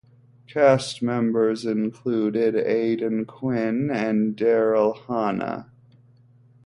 Cast members included Aidan Quinn and Daryl Hannah.